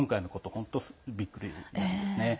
本当にびっくりなんですね。